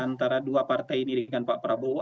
antara dua partai ini dengan pak prabowo